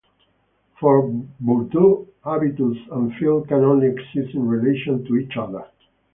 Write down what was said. For Bourdieu, habitus and field can only exist in relation to each other.